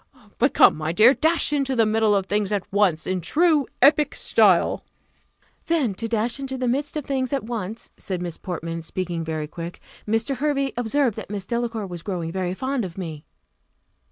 But come, my dear, dash into the middle of things at once, in the true Epic style." "Then to dash into the midst of things at once," said Miss Portman, speaking very quick: "Mr. Hervey observed that Miss Delacour was growing very fond of me."